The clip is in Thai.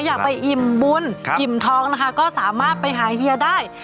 อยากไปอิ่มบุญอิ่มท้องนะคะก็สามารถไปหาเฮียได้